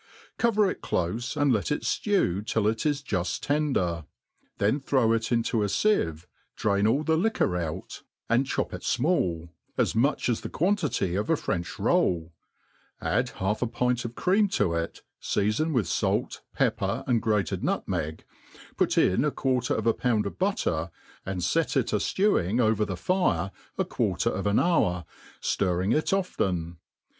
Cover it clofe, and let it ftew till it is ju(l tender ; then throw it into a (ieve, drain all the liquor our, 0.4 and 20O THB ART OF COOKERY Mid chop it.finalU 4s much.4» the quantity of a French mll^' add k^aU a pint of croam lo it, f^pafon with fait, peppec, and. grated^ Dutmeg^ pot in a quarter of a pound of buusr, and fer it a ftewing over the fire a quartcrof an hour, ftirring it often.